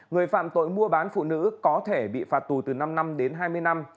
người phạm tội mua bán phụ nữ có thể bị phạt tù từ năm năm đến hai mươi năm